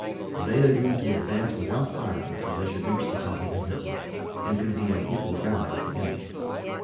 They agreed to advance without firing till they should reach the top of the hill, and could be on equal ground with the enemy.